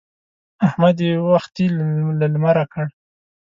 احمد يې وختي له لمره کړ.